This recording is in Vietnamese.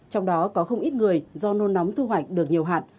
trong đó có không ít người do nôn nóng thu hoạch được nhiều hạt